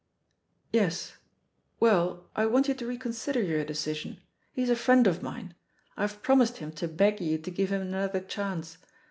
"Yes ; well, I want you to reconsider your de cision. He's a friend of mine. I've promised him to beg you to give him another chance.